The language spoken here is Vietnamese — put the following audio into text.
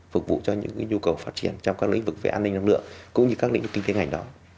phục vụ cho những nhu cầu phát triển trong các lĩnh vực về an ninh năng lượng cũng như các lĩnh vực kinh tế ngành đó